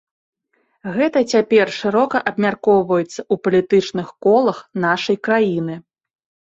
Гэта цяпер шырока абмяркоўваецца ў палітычных колах нашай краіны.